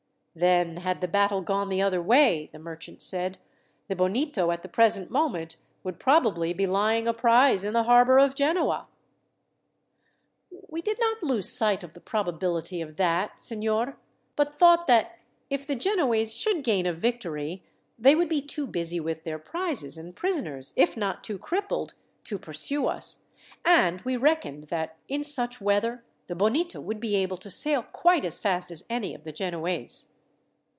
"Then had the battle gone the other way," the merchant said, "the Bonito at the present moment would probably be lying a prize in the harbour of Genoa!" "We did not lose sight of the probability of that, signor, but thought that, if the Genoese should gain a victory, they would be too busy with their prizes and prisoners, if not too crippled, to pursue us, and we reckoned that in such weather the Bonito would be able to sail quite as fast as any of the Genoese."